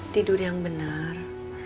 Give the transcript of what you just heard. tidur yang benar